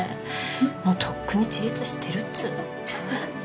もうとっくに自立してるっつーの。